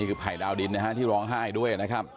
คือภัยดาวดินนะฮะที่ร้องไห้ด้วยนะครับ